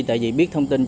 tại vì biết thông tin này